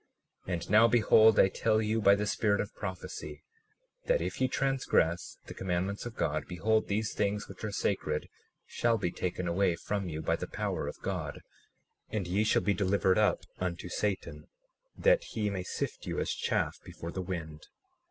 37:15 And now behold, I tell you by the spirit of prophecy, that if ye transgress the commandments of God, behold, these things which are sacred shall be taken away from you by the power of God, and ye shall be delivered up unto Satan, that he may sift you as chaff before the wind.